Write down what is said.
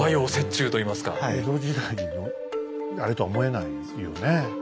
江戸時代のあれとは思えないよね。